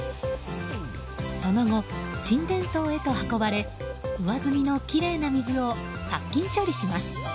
その後、沈殿槽へと運ばれ上澄みのきれいな水を殺菌処理します。